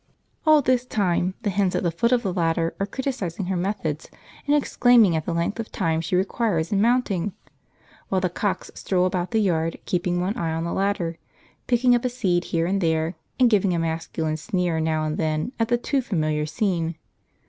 All this time the hens at the foot of the ladder are criticising her methods and exclaiming at the length of time she requires in mounting; while the cocks stroll about the yard keeping one eye on the ladder, picking up a seed here and there, and giving a masculine sneer now and then at the too familiar scene.